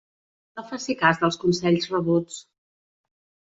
No faci cas dels consells rebuts.